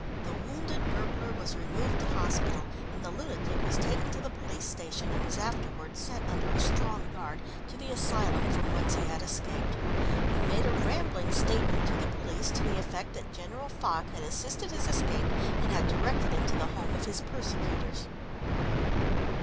The wounded burglar was removed to hospital and the lunatic was taken to the police station and was afterwards sent under a strong guard to the asylum from whence he had escaped. He made a rambling statement to the police to the effect that General Foch had assisted his escape and had directed him to the home of his persecutors."